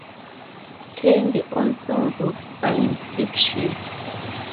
Cady also wrote science fiction.